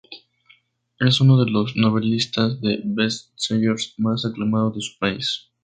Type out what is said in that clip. Es uno de los novelistas de best-sellers más aclamado de su país.